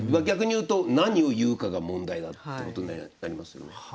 逆に言うと何を言うかが問題だってことになりますよね。